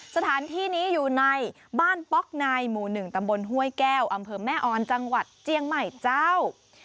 สถานที่นี้อยู่ในบ้านป๊อกในหมู่๑ตำบลห้วยแก้วอำเภอแม่ออนจังหวัดเจียงใหม่เจ้า